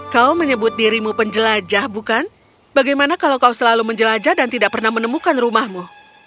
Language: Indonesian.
kau menyebut dirimu penjelajah bukan bagaimana kalau kau selalu menjelajah dan tidak pernah menemukan rumahmu